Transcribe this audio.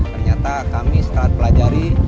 ternyata kami setelah pelajari